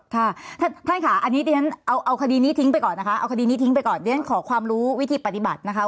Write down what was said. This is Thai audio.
ค่ะท่านค่ะเอาคดีนี้ทิ้งไปก่อนขอความรู้วิธีปฏิบัตินะคะ